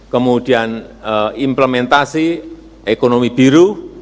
kemudian implementasi ekonomi biru